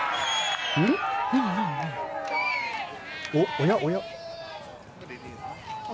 おやおや？